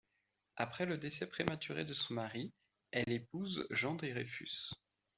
Après le décès prématuré de son mari, elle épouse Jean Dreyfus.